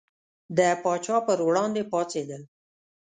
د پاچا پر وړاندې پاڅېدل.